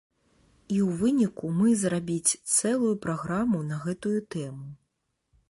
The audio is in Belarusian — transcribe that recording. І ў выніку мы зрабіць цэлую праграму на гэтую тэму.